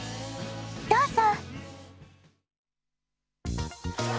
どうぞ！